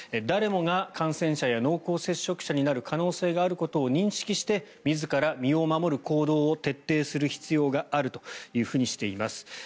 誰もが感染者や濃厚接触者になる可能性があることを認識して自ら身を守る行動を徹底する必要があるというふうにしています。